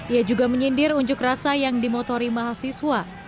ia juga menyindir unjuk rasa yang dimotori mahasiswa